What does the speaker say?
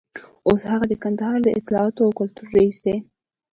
اوس هغه د کندهار د اطلاعاتو او کلتور رییس دی.